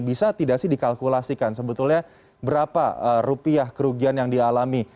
bisa tidak sih dikalkulasikan sebetulnya berapa rupiah kerugian yang dialami